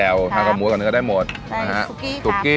แล้วแต่ถ้าหากว่านี้ก็แล้วแต่ลูกค้าค่ะแต่พอมันมันพอลวกแล้วมันก็บวมขึ้นเหรอ